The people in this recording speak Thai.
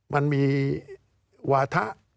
มันมีวาถะ